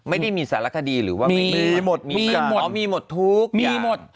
ไม่ได้มีสารคดีหรือว่ามีมีหมดทุกอย่างมีหมด